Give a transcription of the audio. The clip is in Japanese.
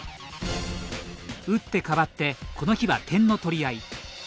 打って変わってこの日は点の取り合い。